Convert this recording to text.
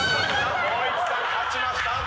光一さん勝ちました。